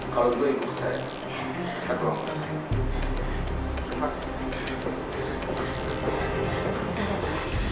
yaudah kalau itu ibu percaya